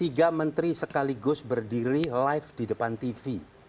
tiga menteri sekaligus berdiri live di depan tv